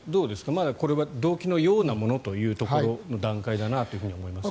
まだこれは動機のようなものというところの段階かなと思いますが。